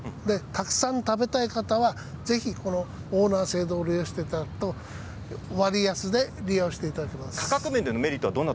たくさん食べたい方はぜひオーナー制度を利用していただけたら割安で利用していただけます。